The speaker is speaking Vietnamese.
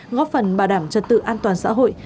góp phần bảo đảm trật tự an toàn xã hội